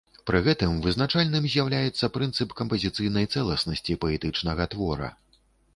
Пры гэтым вызначальным з'яўляецца прынцып кампазіцыйнай цэласнасці паэтычнага твора.